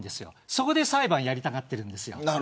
そこで裁判をやりたがっています。